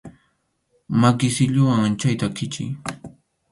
Maki silluwan chayta kʼichiy.